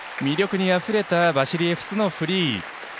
魅力にあふれたバシリエフスのフリー。